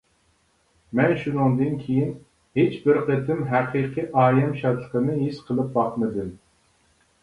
مەن شۇنىڭدىن كېيىن ھېچ بىر قېتىم ھەقىقىي ئايەم شادلىقىنى ھېس قىلىپ باقمىدىم.